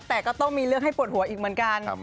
แต่ก็ต้องมีเรื่องให้ปวดหัวอีกเหมือนกัน